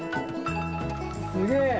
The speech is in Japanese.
すげえ！